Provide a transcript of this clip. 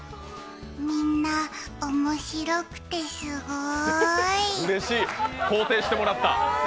みんな、面白くて、すごい！